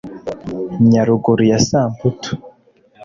Nyaruguru ya Samputu